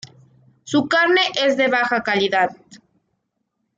Su carne es de baja calidad.